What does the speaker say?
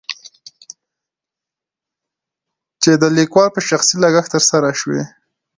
چې دليکوال په شخصي لګښت تر سره شوي.